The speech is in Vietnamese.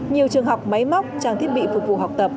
nhiều trường học máy móc trang thiết bị phục vụ học tập